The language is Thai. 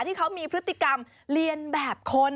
ที่เขามีพฤติกรรมเรียนแบบคน